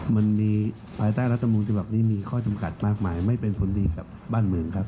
มันมีปลายตั้งรัฐบาลมุมฬิบัตรนี้มีข้อจำกัดมากมายไม่เป็นควรดีแบบบ้านเมืองครับ